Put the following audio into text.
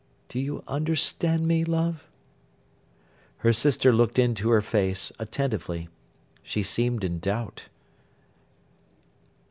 Do you understand me, love?' Her sister looked into her face, attentively. She seemed in doubt.